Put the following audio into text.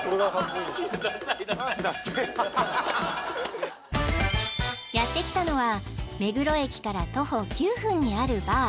いやダサいダサいやって来たのは目黒駅から徒歩９分にあるバー